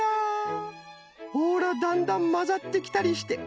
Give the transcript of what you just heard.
ほらだんだんまざってきたりして。